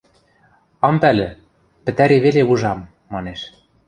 – Ам пӓлӹ... пӹтӓри веле ужам, – манеш.